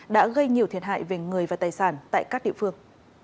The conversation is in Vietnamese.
đã gây nhiều thiệt hại về người và tài sản tại các địa phương